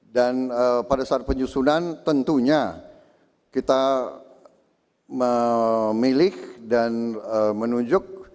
dan pada saat penyusunan tentunya kita memilih dan menunjuk